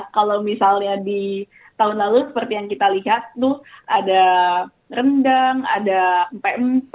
kalau misalnya di tahun lalu seperti yang kita lihat tuh ada rendang ada pem